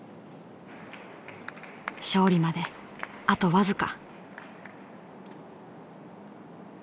勝利まであと僅か。